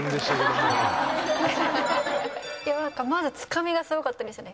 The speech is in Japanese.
まずつかみがすごかったですね。